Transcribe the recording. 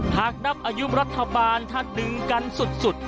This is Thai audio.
หากนับอายุรัฐบาลถ้าดึงกันสุด